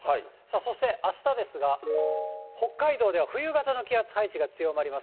そしてあしたですが、北海道では冬型の気圧配置が強まります。